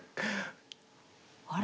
あれ？